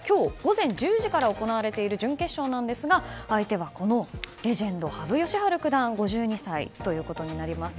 今日、午前１０時から行われている準決勝ですが相手は、レジェンド羽生善治九段５２歳ということになります。